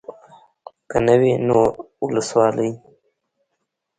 که نه وي نو اولسوالي.